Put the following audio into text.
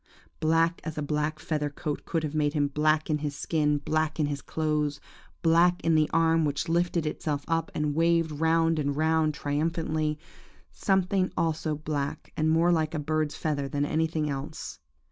Black as a black feather coat could have made him black in his skin, black in his clothes, black in the arm which lifted itself up and waved round and round, triumphantly, something also black, and more like a bird's feather than anything else.